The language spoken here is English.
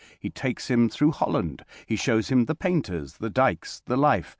He takes him through Holland, he shows him the painters, the dykes, the life.